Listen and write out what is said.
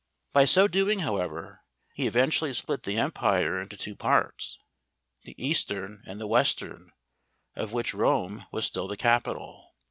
By so doing, however, he eventually split the empire into two parts, the eastern, and the western, of which Rome was still the capital.